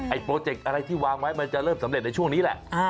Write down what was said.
โปรเจกต์อะไรที่วางไว้มันจะเริ่มสำเร็จในช่วงนี้แหละ